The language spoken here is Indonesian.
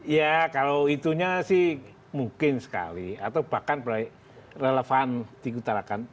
ya kalau itunya sih mungkin sekali atau bahkan relevan diutarakan